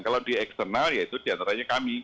kalau di eksternal ya itu diantaranya kami